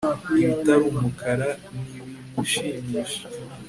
Ibitari umukara ntibimushimisha